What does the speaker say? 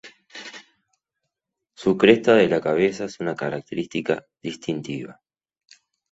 Su cresta de la cabeza es una característica distintiva.